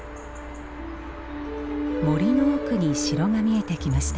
森の奥に城が見えてきました。